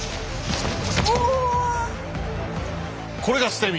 これが捨身。